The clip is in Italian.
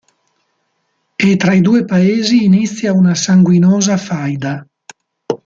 E tra i due paesi inizia una sanguinosa faida.